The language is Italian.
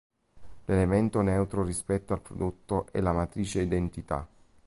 L'elemento neutro rispetto al prodotto è la matrice identità.